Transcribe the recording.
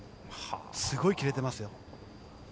すごい切れてますよ。